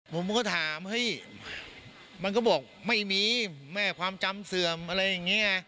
ผมก็ถามเฮ้ยมันก็บอกไม่มีแม่ความจำเสื่อมอะไรอย่างนี้ไง